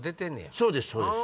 そうですそうです。